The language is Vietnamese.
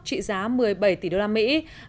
trị giá một mươi bảy tỷ đô la mỹ